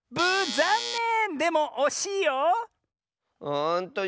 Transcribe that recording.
ざんねん！